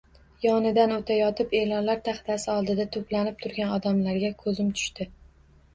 Yonidan o`tayotib e`lonlar taxtasi oldida to`planib turgan odamlarga ko`zim tushdi